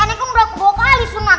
aneh kan berapa kali sunat